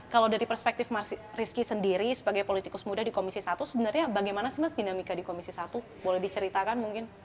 kalau dari perspektif mas rizky sendiri sebagai politikus muda di komisi satu sebenarnya bagaimana sih mas dinamika di komisi satu boleh diceritakan mungkin